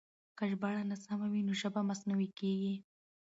که ژباړه ناسمه وي نو ژبه مصنوعي کېږي.